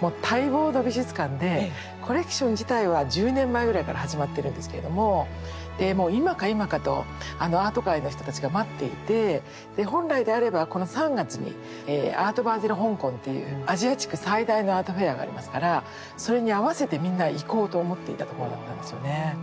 もう待望の美術館でコレクション自体は１０年前ぐらいから始まってるんですけれどもでもう今か今かとアート界の人たちが待っていてで本来であればこの３月に「アート・バーゼル香港」っていうアジア地区最大のアートフェアがありますからそれに合わせてみんな行こうと思っていたところだったんですよね。